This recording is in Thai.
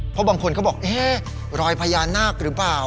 เพราะบางคนก็บอกเอ๊ะรอยพญานาคหรือเปล่า